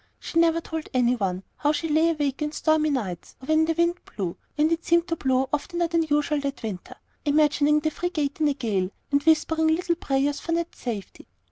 She never told any one how she lay awake in stormy nights, or when the wind blew, and it seemed to blow oftener than usual that winter, imagining the frigate in a gale, and whispering little prayers for Ned's safety.